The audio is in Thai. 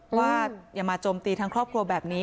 ว่าอย่ามาโจมตีทั้งครอบครัวแบบนี้